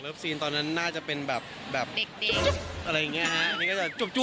อยู่รอบซีนตอนนน่าจะเป็นแบบ